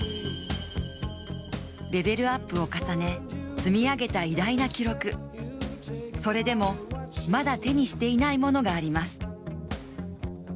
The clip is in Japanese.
レベルアップを重ね、積み上げた偉大な記録それでもまだ手にしていないものがあります。